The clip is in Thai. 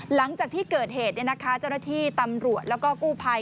หลังจากที่เกิดเหตุเจ้าหน้าที่ตำรวจแล้วก็กู้ภัย